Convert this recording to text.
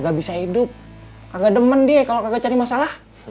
gak bisa hidup gak demen dia kalau gak cari masalah